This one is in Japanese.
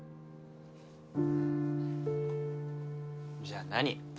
じゃあ何？